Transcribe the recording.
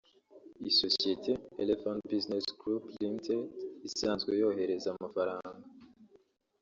Isosiyete Elephant Busness Group Ltd isanzwe yohereza amafaranga